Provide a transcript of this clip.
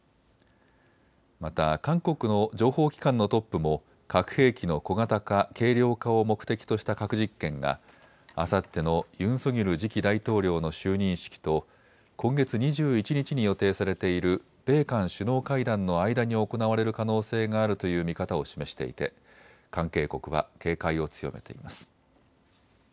また韓国の情報機関のトップも核兵器の小型化・軽量化を目的とした核実験があさってのユン・ソギョル次期大統領の就任式と今月２１日に予定されている米韓首脳会談の間に行われる可能性があるという見方を示していて関係国は警戒を強めています。